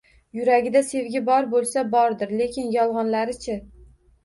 Yuragida sevgi bor bo`lsa bordir, lekin yolg`onlari-chi